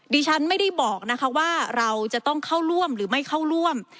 ดิฉันไม่ได้บอกนะคะว่าเราจะต้องเข้าร่วมหรือไม่เข้าร่วม